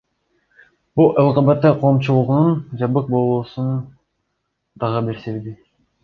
Бул ЛГБТ коомчулугунун жабык болуусунун дагы бир себеби.